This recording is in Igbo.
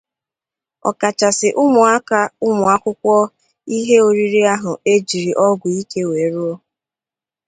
ọkachasị ụmụaka ụmụakwụkwọ ihe oriri ahụ e jiri ọgwụ ike wee rụọ